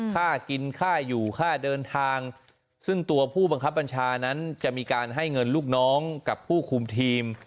ค่ากินค่าอยู่ค่าเดินทางซึ่งตัวผู้บังคับบัญชานั้นจะมีการให้เงินลูกน้องกับผู้คุมทีม